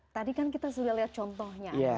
tadi kan kita sudah lihat contohnya